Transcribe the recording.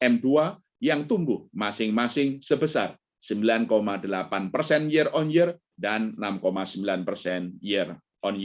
menua yang tunggu masing masing sebesar sembilan delapan persen year on